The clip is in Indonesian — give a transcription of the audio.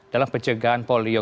dalam pencegahan polio